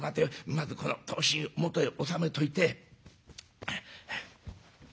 まずこの刀身元へ収めといて」。